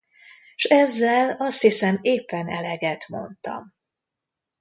S ezzel, azt hiszem, éppen eleget mondtam.